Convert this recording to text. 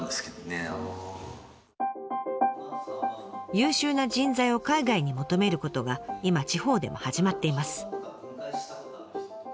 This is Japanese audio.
優秀な人材を海外に求めることが今地方でも始まっています。